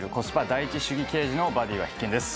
第一主義刑事のバディーは必見です